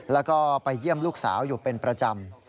แล้วก็ไปเยี่ยมลูกสาวอยู่เป็นประจำ